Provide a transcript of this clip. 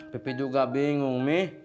pepe juga bingung mi